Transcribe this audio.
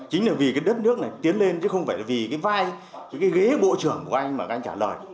chính là vì cái đất nước này tiến lên chứ không phải là vì cái vai cái ghế bộ trưởng của anh mà các anh trả lời